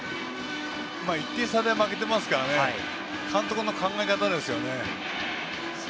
１点差で負けていますから監督の考え方ですね。